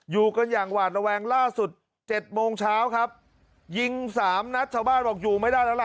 อยู่กันอย่างหวาดระแวงล่าสุดเจ็ดโมงเช้าครับยิงสามนัดชาวบ้านบอกอยู่ไม่ได้แล้วล่ะ